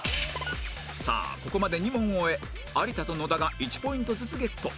さあここまで２問を終え有田と野田が１ポイントずつゲット